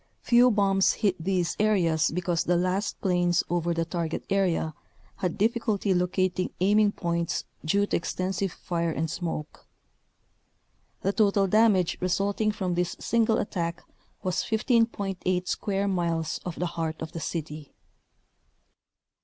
Few bombs hit these areas be cause the last planes over the target area had difficulty locating aiming points due to exten sive fire and smoke. The total damage result ing from this single attack was 15.8 square miles of the heart of the city.